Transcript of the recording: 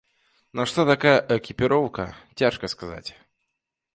Нашто такая экіпіроўка, цяжка сказаць.